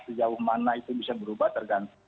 sejauh mana itu bisa berubah tergantung